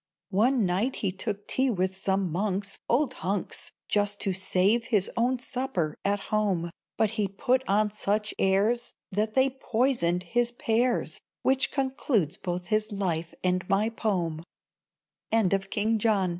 One night he took tea with some monks, (Old hunks! Just to save his own supper at home!) But he put on such airs That they poisoned his pears, Which concludes both his life and my pome. THE SPOTTY COW.